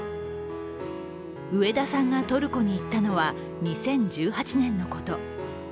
上田さんがトルコに行ったのは２０１８年のこと。